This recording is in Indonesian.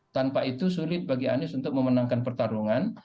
dan kenapa itu sulit bagi anies untuk memenangkan pertarungan